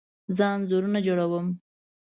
زه انځورونه جوړه وم